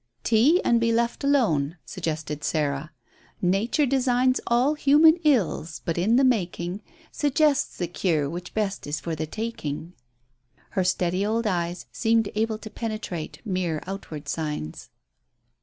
"Tea, and be left alone," suggested Sarah. "'Nature designs all human ills, but in the making Suggests the cure which best is for the taking.'" Her steady old eyes seemed able to penetrate mere outward signs.